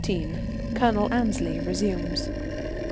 [_Colonel Annesley resumes.